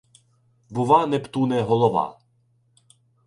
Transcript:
Бува, Нептуне, голова!